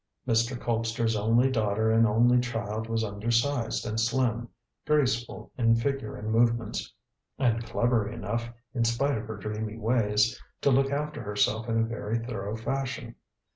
Mr. Colpster's only daughter and only child was undersized and slim, graceful in figure and movements, and clever enough, in spite of her dreamy ways, to look after herself in a very thorough fashion.